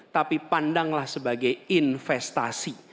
tapi pandanglah sebagai investasi